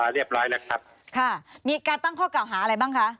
เรียบร้อยแล้วครับค่ะมีการตั้งข้อเก่าหาอะไรบ้างคะ